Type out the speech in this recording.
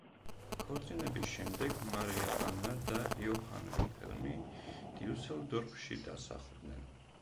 ქორწინების შემდეგ მარია ანა და იოჰან ვილჰელმი დიუსელდორფში დასახლდნენ.